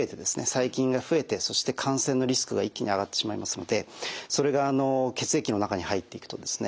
細菌が増えてそして感染のリスクが一気に上がってしまいますのでそれが血液の中に入っていくとですね